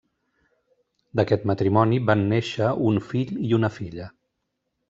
D'aquest matrimoni van néixer un fill i una filla.